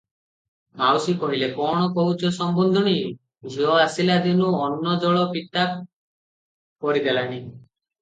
ମାଉସୀ କହିଲେ, "କଣ କହୁଛ ସମୁନ୍ଧୁଣୀ, ଝିଅ ଆସିଲା ଦିନୁ ଅନ୍ନ ଜଳ ପିତା କରିଦେଲାଣି ।